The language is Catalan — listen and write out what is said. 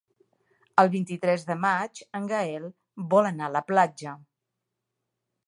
El vint-i-tres de maig en Gaël vol anar a la platja.